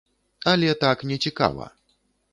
Але так не цікава.